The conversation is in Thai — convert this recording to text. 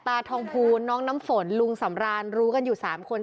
ตาทองภูลน้องน้ำฝนลุงสำรานรู้กันอยู่๓คน